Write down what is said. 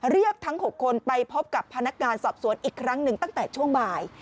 เรียกทั้ง๖คนไปพบกับพนักงานสอบสวนอีกครั้งหนึ่งตั้งแต่ช่วงบ่าย